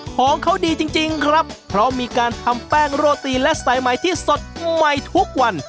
ของเขาดีจริงครับเพราะมีการทำแป้งโรตีและสายใหม่ที่สดใหม่ทุกวัน